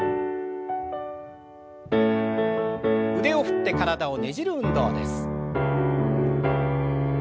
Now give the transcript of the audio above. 腕を振って体をねじる運動です。